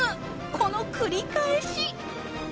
この繰り返し］